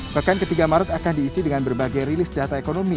pekan ketiga maret akan diisi dengan berbagai rilis data ekonomi